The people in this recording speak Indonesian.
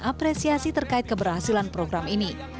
apresiasi terkait keberhasilan program ini